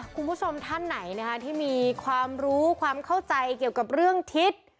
คุณผู้ชมท่านไหนนะคะที่มีความรู้ความเข้าใจเกี่ยวกับเรื่องทิศ